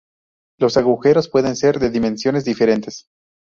Los agujeros pueden ser de dimensiones diferentes.